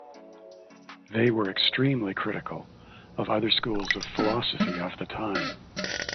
They were extremely critical of other schools of philosophy of the time.